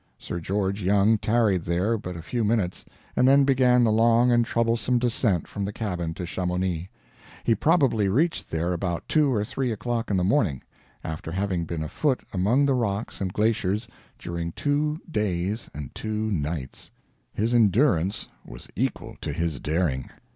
Sir George Young tarried there but a few minutes, and then began the long and troublesome descent from the cabin to Chamonix. He probably reached there about two or three o'clock in the morning, after having been afoot among the rocks and glaciers during two days and two nights. His endurance was equal to his daring.